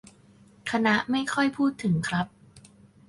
คณะไม่ค่อยพูดถึงครับ